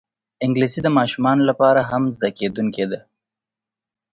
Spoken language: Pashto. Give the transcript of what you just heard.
انګلیسي د ماشومانو لپاره هم زده کېدونکی ده